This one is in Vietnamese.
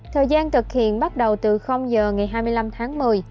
thời gian thực hiện bắt đầu từ giờ ngày hai mươi năm tháng một mươi